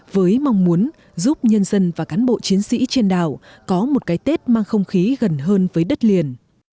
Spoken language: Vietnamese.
với mong muốn giúp nhân dân và cán bộ chiến sĩ trên đảo có một cái tết mang không khí gần hơn với đất liền